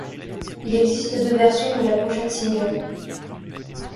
Il existe deux versions de la pochette single.